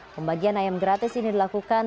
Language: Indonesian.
pembagian ayam gratis ini dilakukan